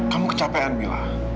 kamu kecapean mila